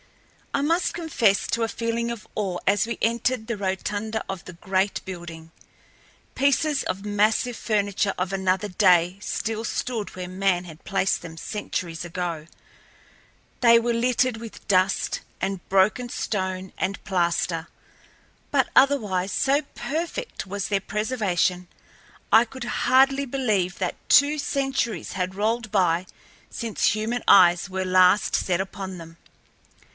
I must confess to a feeling of awe as we entered the rotunda of the great building. Pieces of massive furniture of another day still stood where man had placed them centuries ago. They were littered with dust and broken stone and plaster, but, otherwise, so perfect was their preservation I could hardly believe that two centuries had rolled by since human eyes were last set upon them.